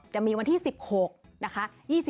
จะมีวันที่๑๖นะคะ